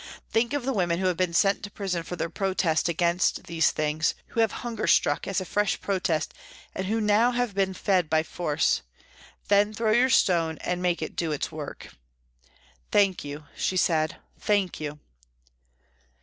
Think of the women who have been sent to prison for their protest against these things, who have hunger struck as a fresh protest and who now have been fed by force. Then throw your stone and make it do its work." " Thank you," she said, " thank you."